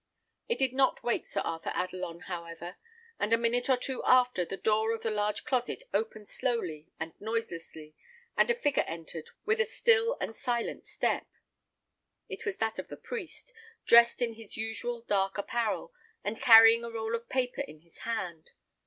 It did not wake Sir Arthur Adelon, however; and a minute or two after, the door of the large closet opened slowly and noiselessly, and a figure entered with a still and silent step. It was that of the priest, dressed in his usual dark apparel, and carrying a roll of paper in his hand.